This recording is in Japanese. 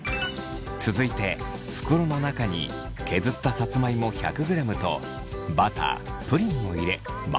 続いて袋の中に削ったさつまいも１００ｇとバタープリンを入れ混ぜます。